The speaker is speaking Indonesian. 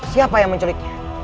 siapa yang menculiknya